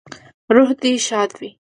روح دې ښاد وي